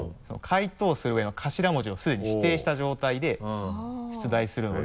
回答する上の頭文字をすでに指定した状態で出題するので。